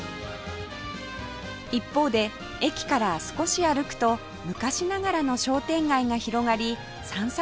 一方で駅から少し歩くと昔ながらの商店街が広がり散策